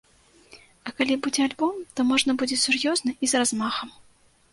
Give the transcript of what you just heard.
А калі будзе альбом, то можна будзе сур'ёзна і з размахам.